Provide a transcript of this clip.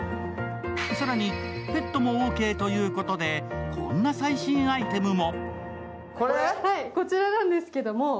更に、ペットもオーケーということで、こんな最新アイテムも。